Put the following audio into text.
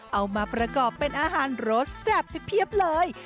เอามาประกอบเป็นอาหารรสแซ่บเพียบเลย